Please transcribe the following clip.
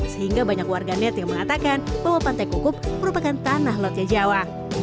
sehingga banyak warganet yang mengatakan bahwa pantai kukup merupakan tanah lotnya jawa